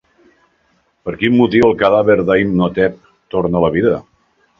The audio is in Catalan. Per quin motiu el cadàver d'Imhotep torna a la vida?